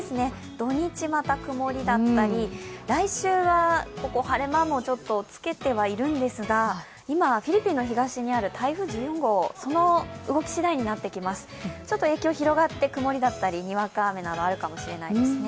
土日、また曇りだったり、来週は晴れもつけているんですが、今、フィリピンの東にある台風１４号、その動き次第になってきます、ちょっと影響は広がって曇りだったりにわか雨があるかもしれないですね。